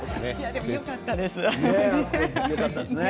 でも、よかったです。